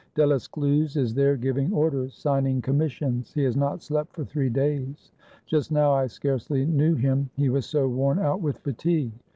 Delescluze is there giving orders, signing commissions. He has not slept for three days. Just now I scarcely knew him, he was so worn out with fatigue.